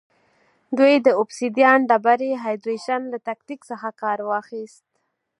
دوی د اوبسیدیان ډبرې هایدرېشن له تکتیک څخه کار واخیست